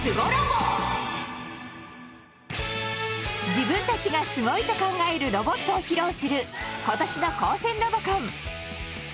自分たちが「すごい」と考えるロボットを披露する今年の高専ロボコン。